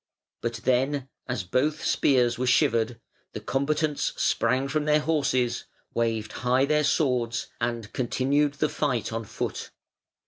But then, as both spears were shivered, the combatants sprang from their horses, waved high their swords, and continued the fight on foot.